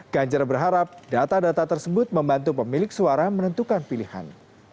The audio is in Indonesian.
ganjar berharap data data tersebut membantu pemilik suara menentukan pilihan